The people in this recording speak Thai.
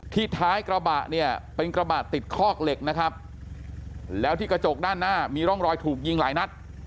ท้ายกระบะเนี่ยเป็นกระบะติดคอกเหล็กนะครับแล้วที่กระจกด้านหน้ามีร่องรอยถูกยิงหลายนัด